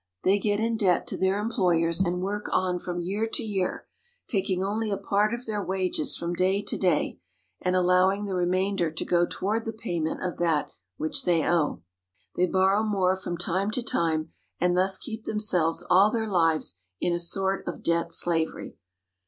They get in debt to their employers, and work on from year to year, taking only a part of their wages from day to day, and allowing the remainder to go toward the payment of that which they owe. They borrow more from time to time, and thus keep themselves all their lives in a sort of debt slav ery.